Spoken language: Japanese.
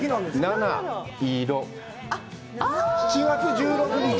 ああ、７月１６日。